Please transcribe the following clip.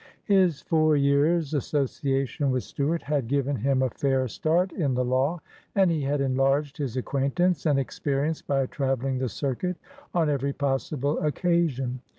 His four years' association with Stuart had 104 EARLY SUCCESS IN THE COURTS given him a fair start in the law, and he had enlarged his acquaintance and experience by traveling the circuit on every possible occasion.